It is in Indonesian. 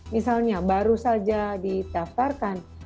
misalnya baru saja di daftarkan